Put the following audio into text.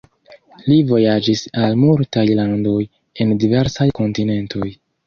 Li vojaĝis al multaj landoj en diversaj kontinentoj.